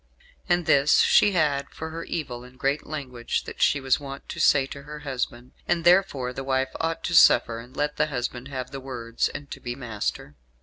And this she had for her evil and great language that she was wont to say to her husband. And therefore the wife ought to suffer, and let the husband have the words, and to be master."